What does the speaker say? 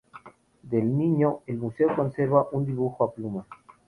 Del niño, el museo conserva un dibujo a pluma.